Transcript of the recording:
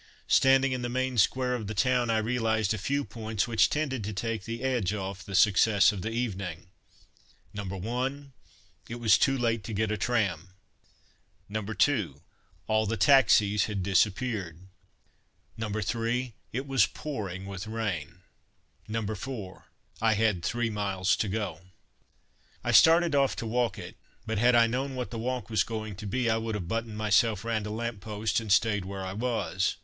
Standing in the main square of the town, I realized a few points which tended to take the edge off the success of the evening: No. 1. It was too late to get a tram. No. 2. All the taxis had disappeared. No. 3. It was pouring with rain. No. 4. I had three miles to go. I started off to walk it but had I known what that walk was going to be, I would have buttoned myself round a lamp post and stayed where I was.